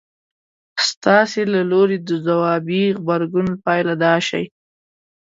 ستاسې له لوري د ځوابي غبرګون پايله دا شي.